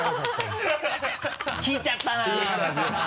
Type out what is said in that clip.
聞いちゃったな。